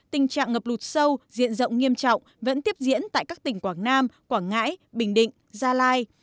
tình trạng ngập lụt sâu diện rộng nghiêm trọng vẫn tiếp diễn tại các tỉnh quảng nam quảng ngãi bình định gia lai